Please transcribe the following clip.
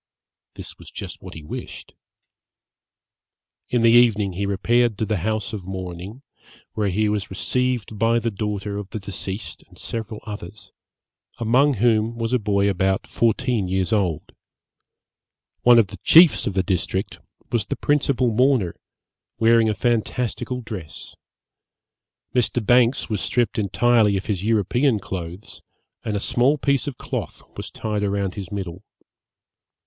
This was just what he wished. In the evening he repaired to the house of mourning, where he was received by the daughter of the deceased and several others, among whom was a boy about fourteen years old. One of the chiefs of the district was the principal mourner, wearing a fantastical dress. Mr. Banks was stripped entirely of his European clothes, and a small piece of cloth was tied round his middle.